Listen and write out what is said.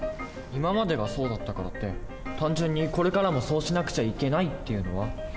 今までがそうだったからって単純にこれからもそうしなくちゃいけないっていうのは。